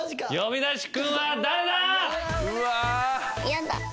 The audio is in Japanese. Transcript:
嫌だ。